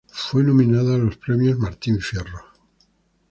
Fue nominada a los Premios Martín Fierro.